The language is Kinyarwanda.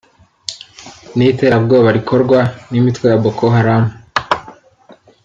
n’iterabwoba rikorwa n’imitwe ya Boko Haram